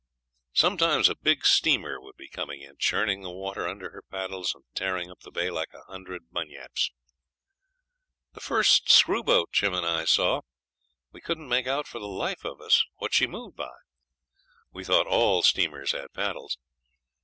Sometimes a big steamer would be coming in, churning the water under her paddles and tearing up the bay like a hundred bunyips. The first screw boat Jim and I saw we couldn't make out for the life of us what she moved by. We thought all steamers had paddles.